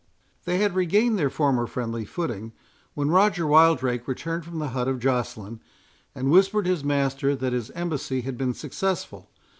They had regained their former friendly footing, when Roger Wildrake returned from the hut of Joceline, and whispered his master that his embassy had been successful.